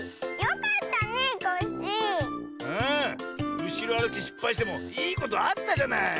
うしろあるきしっぱいしてもいいことあったじゃない？